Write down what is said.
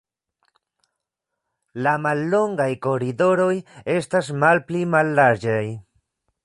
La mallongaj koridoroj estas malpli mallarĝaj.